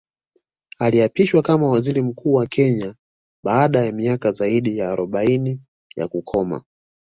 Aliapishwa kama Waziri Mkuu wa Kenya baada ya miaka zaidi ya arobaini ya kukoma